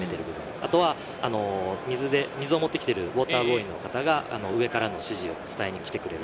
あとは水を持ってきているウオーターボーイの方が、上からの指示を伝えに来てくれる。